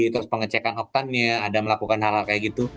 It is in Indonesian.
terus pengecekan oktannya ada melakukan hal hal kayak gitu